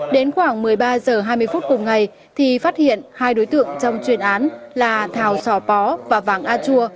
đến khoảng một mươi ba h hai mươi phút cùng ngày thì phát hiện hai đối tượng trong chuyên án là thảo sò pó và vàng a chua